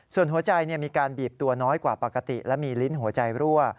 ส่วนหัวใจมีการบีบตัวน้อยกว่าปกติและมีลิ้นหัวใจรั่ว